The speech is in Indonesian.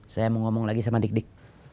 saya mau ngomong lagi sama dik dik